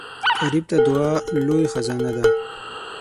غریب ته دعا لوی خزانه ده